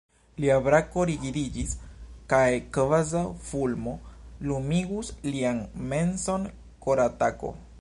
Lia brako rigidiĝis kaj kvazaŭ fulmo lumigus lian menson koratako.